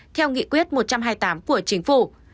theo nghị quyết một trăm hai mươi tám của chính phủ